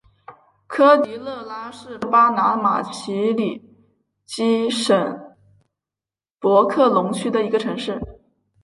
科迪勒拉是巴拿马奇里基省博克龙区的一个城市。